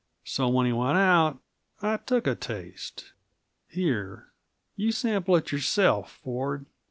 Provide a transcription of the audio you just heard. So when he went out, I took a taste. Here: You sample it yourself, Ford.